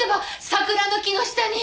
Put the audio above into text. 桜の木の下に。